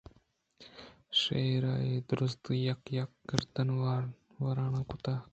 شیرءَ اے درٛست یکّ یکّ ءَ گِران ءُ وَرَان کُت اَنت